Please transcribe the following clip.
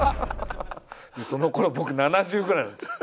そのころ僕７０ぐらいなんですよ。